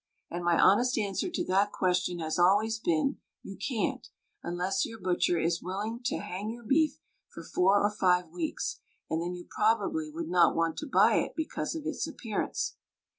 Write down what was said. And my honest answer to that question has always been: "You can't — ^unless your butcher is willing to hang your beef for four or five weeks — and then you probably would not want to buy it because of its appearance."